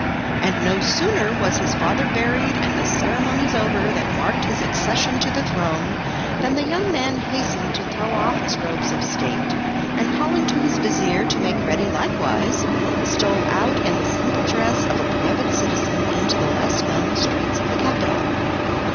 And no sooner was his father buried and the ceremonies over that marked his accession to the throne, than the young man hastened to throw off his robes of state, and calling to his vizir to make ready likewise, stole out in the simple dress of a private citizen into the less known streets of the capital.